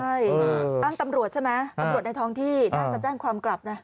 ใช่อ้างตำรวจใช่ไหมตำรวจในท้องที่น่าจะแจ้งความกลับนะ